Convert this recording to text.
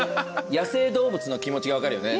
野生動物の気持ちが分かるよね。